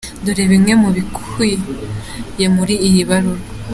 Dore bimwe mu bikubiye muri iyo baruwa.